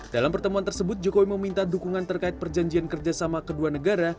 dalam pertemuan tersebut jokowi meminta dukungan terkait perjanjian kerjasama kedua negara